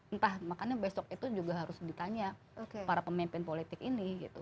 entah makanya besok itu juga harus ditanya para pemimpin politik ini gitu